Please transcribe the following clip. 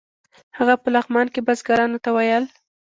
هغه په لغمان کې بزګرانو ته ویل.